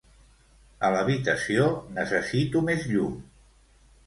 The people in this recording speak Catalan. A l'habitació necessito més llum.